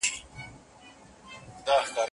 څوک چي زرګر نه وي د زرو قدر څه پیژني.